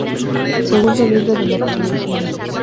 Segundo libro de la trilogía.